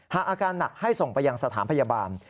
หากอาการหนักให้ส่งไปยังสถานพยาบาล